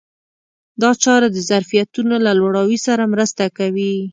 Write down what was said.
دا چاره د ظرفیتونو له لوړاوي سره مرسته کوي.